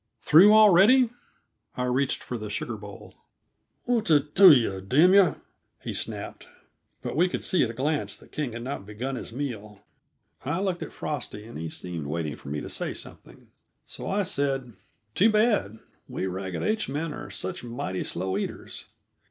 "Through already?" I reached for the sugar bowl. "What's it to you, damn yuh?" he snapped, but we could see at a glance that King had not begun his meal. I looked at Frosty, and he seemed waiting for me to say something. So I said: "Too bad we Ragged H men are such mighty slow eaters.